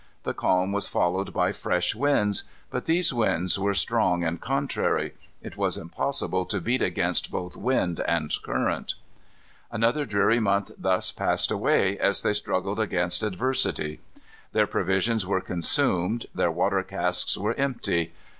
The calm was followed by fresh winds. But these winds were strong and contrary. It was impossible to beat against both wind and current. Another dreary month thus passed away, as they struggled against adversity. Their provisions were consumed. Their water casks were empty.